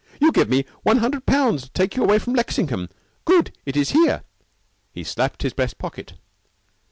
"You give me one hundred pounds to take you away from Lexingham. Good. It is here." He slapped his breast pocket.